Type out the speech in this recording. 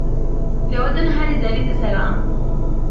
د وطن هرې زرې ته سلام!